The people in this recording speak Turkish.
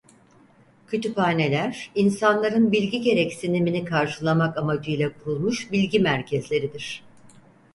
Kütüphaneler insanların bilgi gereksinimini karşılamak amacıyla kurulmuş bilgi merkezleridir.